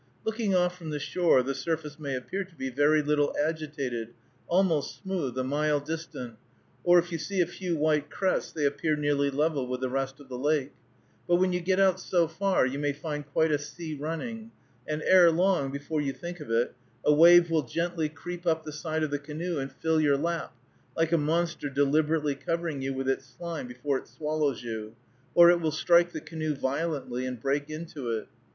Looking off from the shore, the surface may appear to be very little agitated, almost smooth, a mile distant, or if you see a few white crests they appear nearly level with the rest of the lake; but when you get out so far, you may find quite a sea running, and ere long, before you think of it, a wave will gently creep up the side of the canoe and fill your lap, like a monster deliberately covering you with its slime before it swallows you, or it will strike the canoe violently, and break into it.